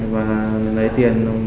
và lấy tiền